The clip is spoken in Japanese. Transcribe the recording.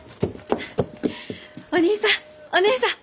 お義兄さんお義姉さん